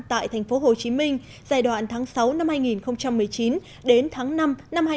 tại tp hcm giai đoạn tháng sáu năm hai nghìn một mươi chín đến tháng năm năm hai nghìn hai mươi